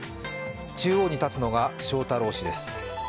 中央に立つのが翔太郎氏です。